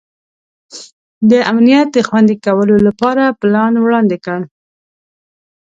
د امنیت د خوندي کولو لپاره پلان وړاندي کړ.